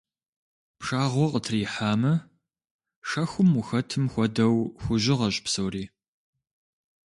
Пшагъуэ къытрихьамэ, шэхум ухэтым хуэдэу хужьыгъэщ псори.